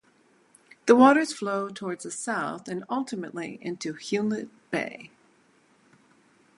The waters flow towards the south and ultimately into Hewlett Bay.